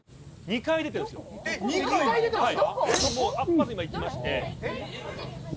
まず今いきまして。